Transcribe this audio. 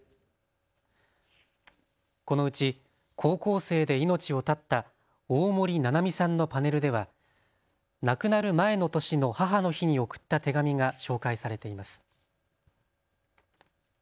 このうち高校生で命を絶った大森七海さんのパネルでは亡くなる前の年の母の日に送った手紙が紹介されています。